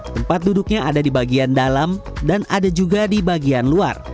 tempat duduknya ada di bagian dalam dan ada juga di bagian luar